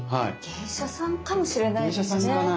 芸者さんかもしれないですね。